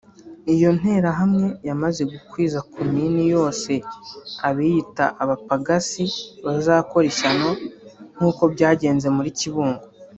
Iyo nterahamwe yamaze gukwiza Komini yose abiyita abapagasi bazakora ishyano nk’uko byagenze muri Kibungo